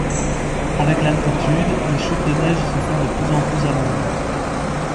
Avec l'altitude, les chutes de neiges se font de plus en plus abondantes.